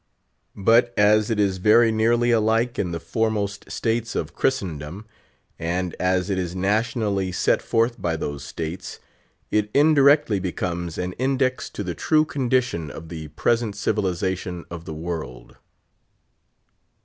But as it is very nearly alike in the foremost states of Christendom, and as it is nationally set forth by those states, it indirectly becomes an index to the true condition of the present civilization of the world.